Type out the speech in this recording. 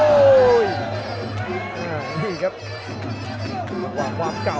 อุ้ยนี่ครับความเก่าครับ